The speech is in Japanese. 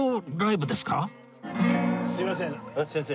すみません先生。